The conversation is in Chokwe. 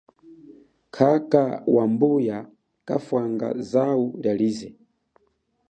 Khakha, wa mbuya kafanga zau lialize.